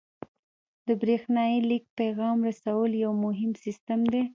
د بریښنایي لیک پیغام رسولو یو مهم سیستم دی.